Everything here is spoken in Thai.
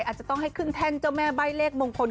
อาจจะต้องให้ขึ้นแท่นเจ้าแม่ใบ้เลขมงคล